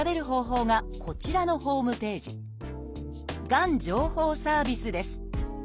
「がん情報サービス」です。